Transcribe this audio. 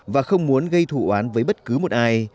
và không muốn gây thủ oán với bất cứ một ai